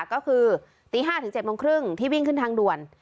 ก็คือตี๕ถึง๗โมงครึ่งที่วิ่งขึ้นทางด่วน